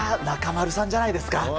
中丸さんじゃないですか。